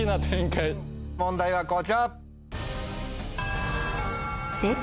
問題はこちら！